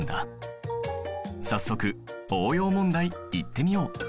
早速応用問題いってみよう！